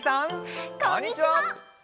こんにちは！